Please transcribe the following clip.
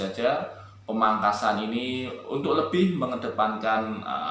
dan saya kira pemangkasan ini untuk lebih mengedepankan efektivitas